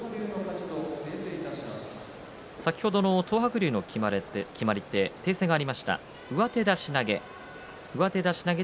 先ほどの東白龍の決まり手ですが訂正があって上手出し投げ。